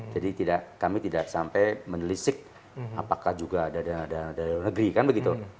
jadi kami tidak sampai menelisik apakah juga ada dana dari luar negeri kan begitu